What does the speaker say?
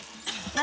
何？